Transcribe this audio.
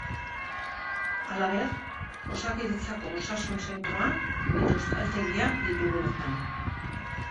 Halaber, Osakidetzako osasun zentroa eta euskaltegia ditugu bertan.